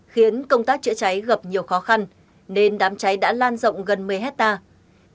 khiến công tác chữa cháy gặp nhiều khó khăn nên đám cháy đã lan rộng gần một mươi hectare